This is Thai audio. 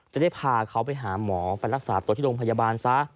จะได้พาเขาไปหาหมอไปรักษาตัวที่โรงพยาบาลซะ